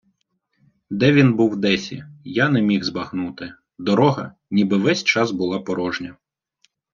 Де він був десі, я не міг збагнути: дорога ніби весь час була порожня.